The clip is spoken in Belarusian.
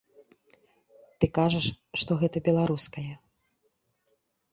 Ты кажаш, што гэта беларускае.